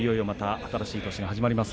新しい年が始まります。